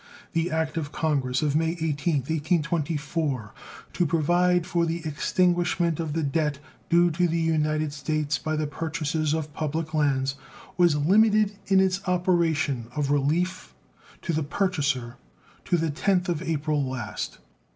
The act of Congress of May 18th, 1824, to provide for the extinguishment of the debt due to the United States by the purchasers of public lands, was limited in its operation of relief to the purchaser to the 10th of April last.